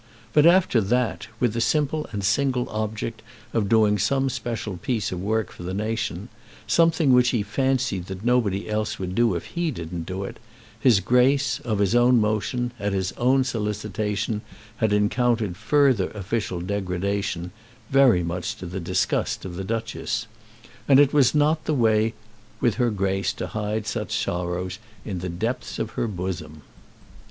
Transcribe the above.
But after that, with the simple and single object of doing some special piece of work for the nation, something which he fancied that nobody else would do if he didn't do it, his Grace, of his own motion, at his own solicitation, had encountered further official degradation, very much to the disgust of the Duchess. And it was not the way with her Grace to hide such sorrows in the depth of her bosom.